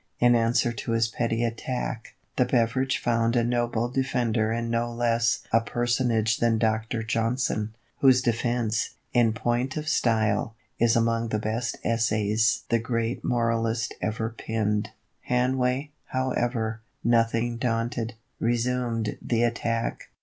In answer to his petty attack, the beverage found a noble defender in no less a personage than Dr. Johnson, whose defence, in point of style, is among the best essays the great moralist ever penned. Hanway, however, nothing daunted, resumed the attack.